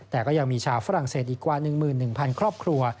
แต่ก็ยังมีชาวฝรั่งเศสอีกกว่า๑๑๐๐๐ครอบครัว